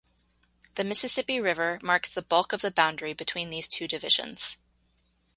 The Mississippi River marks the bulk of the boundary between these two divisions.